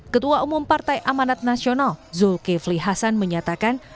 ketua umum partai amanat nasional zulkifli hasan menyatakan